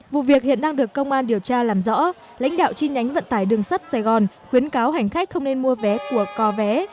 vụ việc hiện đang được công an điều tra làm rõ lãnh đạo chi nhánh vận tải đường sắt sài gòn khuyến cáo hành khách không nên mua vé của co vé